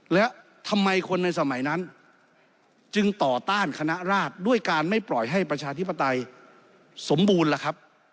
แล้วทำไมคนในสมัยนั้นจึงต่อต้านคณะราชด้วยการไม่ปล่อยให้ประชาธิปไตยสมบูรณ์ล่ะครับ